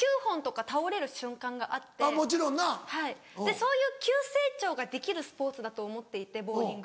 そういう急成長ができるスポーツだと思っていてボウリング。